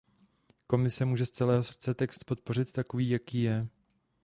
Komise může z celého srdce text podpořit takový, jaký je.